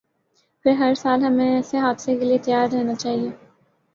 پھر ہرسال ہمیں ایسے حادثے کے لیے تیار رہنا چاہیے۔